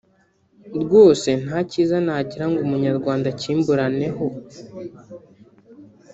rwose nta cyiza nagira ngo umunyarwanda akimburane ho)